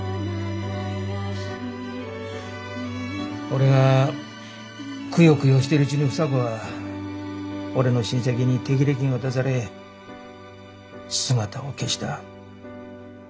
俺がくよくよしてるうちに房子は俺の親戚に手切れ金渡され姿を消した。